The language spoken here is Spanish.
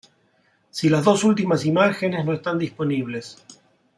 Si las dos ultimas imágenes no están disponibles.